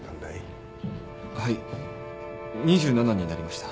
はい２７になりました。